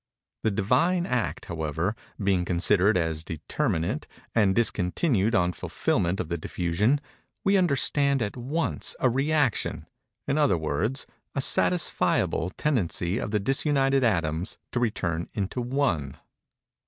The Divine Act, however, being considered as determinate, and discontinued on fulfilment of the diffusion, we understand, at once, a rëaction—in other words, a satisfiable tendency of the disunited atoms to return into One.